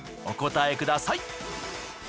お答えください。